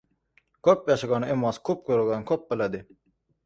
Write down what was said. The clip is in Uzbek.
• Ko‘p yashagan emas, ko‘p yurgan ko‘p biladi.